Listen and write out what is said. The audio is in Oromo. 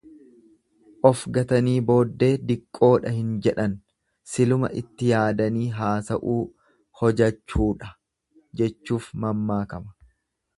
Of gatanii booddee diqqoodha hin jedhan siluma itti yaadanii haasa'uu, hojachuudha jechuuf mammaakama.